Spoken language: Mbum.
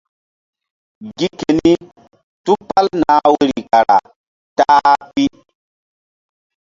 Gi keni tupal nah woyri kara ta-a pi.